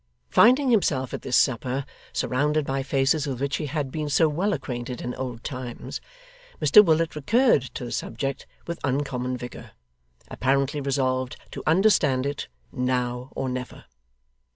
Finding himself at this supper, surrounded by faces with which he had been so well acquainted in old times, Mr Willet recurred to the subject with uncommon vigour; apparently resolved to understand it now or never.